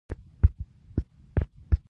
پېر پلور د ادم ذات وشي